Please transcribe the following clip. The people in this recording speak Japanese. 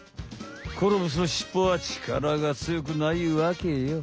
コロブスのしっぽは力がつよくないわけよ。